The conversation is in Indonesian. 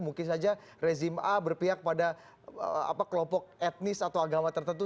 mungkin saja rezim a berpihak pada kelompok etnis atau agama tertentu